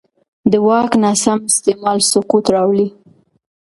د واک ناسم استعمال سقوط راولي